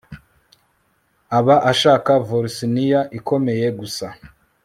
aba ashaka Volsinian ikomeye gusa